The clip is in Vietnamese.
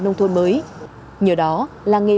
nông thôn mới nhờ đó làng nghề